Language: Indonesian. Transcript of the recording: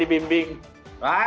salam pak budi